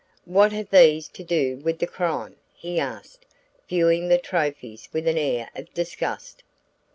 "What have these to do with the crime?" he asked, viewing the trophies with an air of disgust.